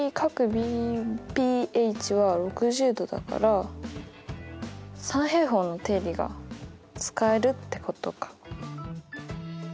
ＢＰＨは６０°だから三平方の定理が使えるってことか。